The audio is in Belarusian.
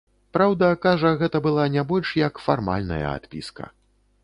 Праўда, кажа, гэта была не больш, як фармальная адпіска.